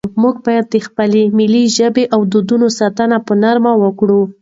موږ باید د خپلې ملي ژبې او دودونو ساتنه په نره وکړو.